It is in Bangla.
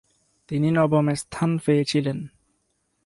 তিনি নবম স্থান পেয়েছিলেন।